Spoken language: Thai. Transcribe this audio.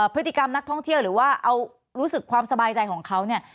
พฤติกรรมนักท่องเที่ยวหรือว่าเอารู้สึกความสบายใจของเขาเนี่ย